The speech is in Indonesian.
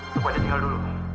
tempat dia tinggal dulu